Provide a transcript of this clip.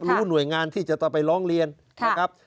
หน่วยงานที่จะต้องไปร้องเรียนนะครับ